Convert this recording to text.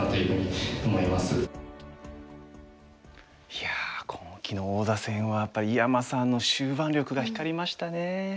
いや今期の王座戦はやっぱり井山さんの終盤力が光りましたね。